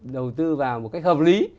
đầu tư vào một cách hợp lý